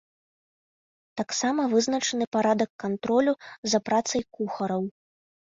Таксама вызначаны парадак кантролю за працай кухараў.